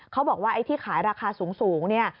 เขาบอกว่าไอ้ที่ขายราคาสูงเนี่ย